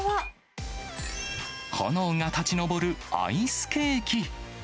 炎が立ち上るアイスケーキ。